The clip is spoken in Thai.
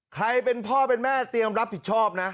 ใครเป็นพ่อเป็นแม่เตรียมรับผิดชอบนะ